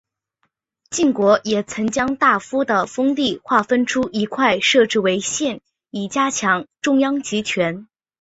晋国也曾将大夫的封地划分出一块设置为县以加强中央集权。